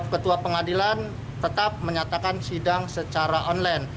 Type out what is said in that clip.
ketua pengadilan tetap menyatakan sidang secara online